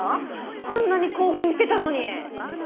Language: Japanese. あんなに興奮してたのに。